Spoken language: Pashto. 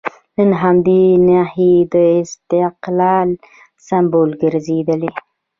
نن همدې نښې د استقلال سمبول ګرځېدلي.